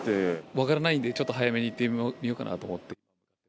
分からないんで、ちょっと早めに行ってみようかなと思って。